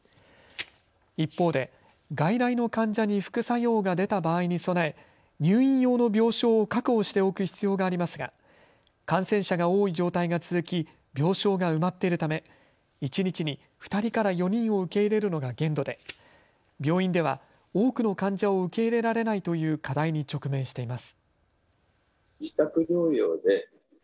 一方で外来の患者に副作用が出た場合に備え入院用の病床を確保しておく必要がありますが感染者が多い状態が続き病床が埋まっているため一日に２人から４人を受け入れるのが限度で病院では多くの患者を受け入れられないという課題に直面しています。